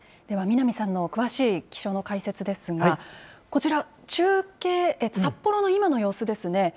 では、南さんの詳しい気象の解説ですが、こちら、中継、札幌の今の様子ですね。